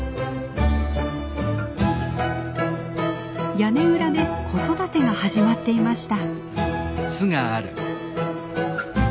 屋根裏で子育てが始まっていました。